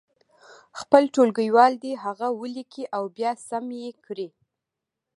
خپل ټولګیوال دې هغه ولیکي او بیا سم یې کړي.